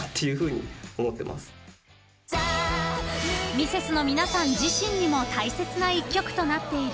［ミセスの皆さん自身にも大切な一曲となっている